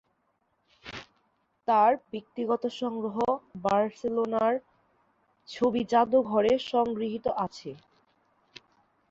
তার ব্যক্তিগত সংগ্রহ বার্সেলোনার ছবি জাদুঘর-এ সংগৃহীত আছে।